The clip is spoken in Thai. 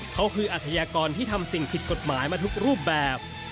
เขาคืออาชญากรที่ทำสิ่งผิดกฎหมายมาทุกรูปแบบ